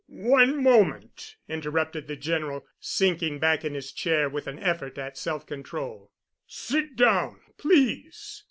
"One moment," interrupted the General, sinking back in his chair with an effort at self control. "Sit down, please.